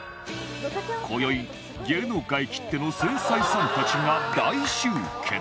今宵芸能界きっての繊細さんたちが大集結！